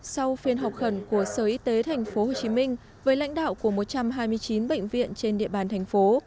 sau phiên học khẩn của sở y tế tp hcm với lãnh đạo của một trăm hai mươi chín bệnh viện trên địa bàn thành phố